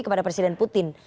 kepada presiden putin